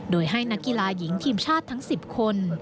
โดยให้นักกีฬาหญิงทีมชาติทั้ง๑๐คน